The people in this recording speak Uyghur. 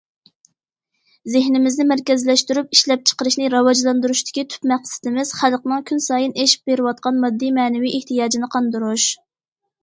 زېھنىمىزنى مەركەزلەشتۈرۈپ ئىشلەپچىقىرىشنى راۋاجلاندۇرۇشتىكى تۈپ مەقسىتىمىز خەلقنىڭ كۈنسايىن ئېشىپ بېرىۋاتقان ماددىي، مەنىۋى ئېھتىياجىنى قاندۇرۇش.